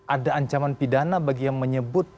ada ancaman pidana bagi yang menyebut